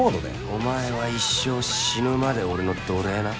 お前は一生死ぬまで俺の奴隷な。